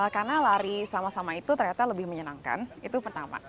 karena lari sama sama itu ternyata lebih menyenangkan itu pertama